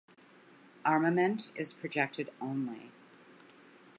Armament is projected only.